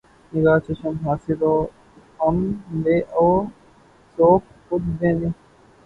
نگاۂ چشم حاسد وام لے اے ذوق خود بینی